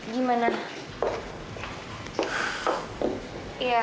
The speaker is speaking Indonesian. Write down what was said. dara mau masakin ya